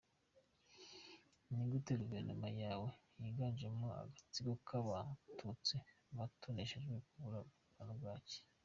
Nigute guverinoma yawe yiganjemo agatsiko k abatutsi batoneshejwe yabura kurwara bwaki?